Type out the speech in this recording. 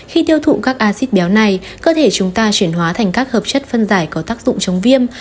khi tiêu thụ các acid béo này cơ thể chúng ta chuyển hóa thành các hợp chất phân giải có tác dụng chống viêm